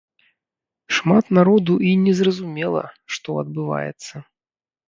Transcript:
Шмат народу і незразумела, што адбываецца.